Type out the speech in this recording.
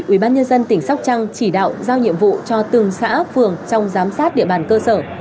ủy ban nhân dân tỉnh sóc trăng chỉ đạo giao nhiệm vụ cho từng xã phường trong giám sát địa bàn cơ sở